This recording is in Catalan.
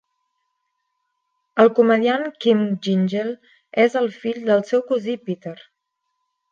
El comediant Kym Gyngell és el fill del seu cosí Peter.